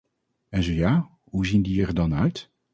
En zo ja, hoe zien die er dan uit?